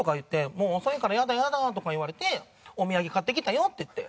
もう遅いからやだやだとか言われてお土産買ってきたよって言って。